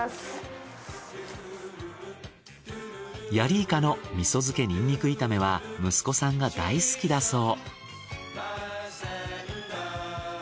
ヤリイカの味噌漬けニンニク炒めは息子さんが大好きだそう。